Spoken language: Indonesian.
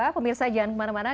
pemirsa jangan kemana mana